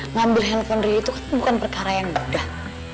ngambil handphone rio itu kan bukan perkara yang mudah